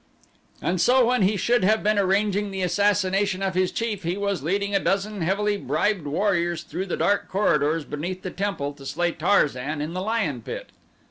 And so when he should have been arranging the assassination of his chief he was leading a dozen heavily bribed warriors through the dark corridors beneath the temple to slay Tarzan in the lion pit.